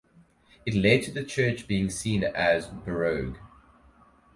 It led to the church being seen as baroque.